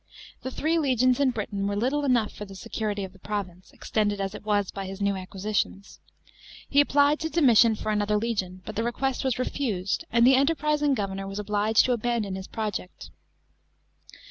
The three legions in Britain were little enough for the security of the province, extended as it was by his new acquisitions. He applied to Domirian for another legion, but the request was refused, an«l the enterprising governor was obliged to abandon his project.